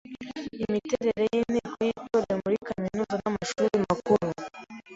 Imiterere y’Inteko y’Intore muri kaminuza n’amashuri makuru